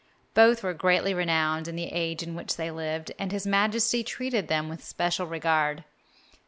Both were greatly renowned in the age in which they lived, and His Majesty treated them with special regard.